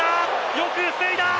よく防いだ！